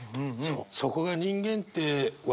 そこが人間って笑